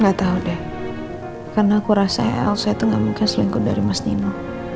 gak tau deh karena aku rasa lc itu gak mungkin selingkuh dari mas nino